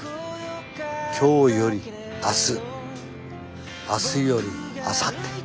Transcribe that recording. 今日より明日明日よりあさって。